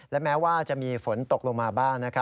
และแม้ว่าจะมีฝนตกลงมาบ้าง